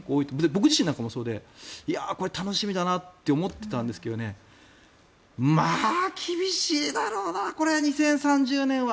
僕自身なんかもそうでこれ楽しみだなと思っていたんですけどまあ、厳しいだろうなこれは２０３０年は。